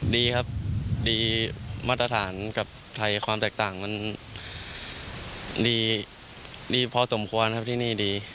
ดีครับดีมาตรฐานกับไทยความแตกต่างมันดีพอสมควรครับที่นี่ดี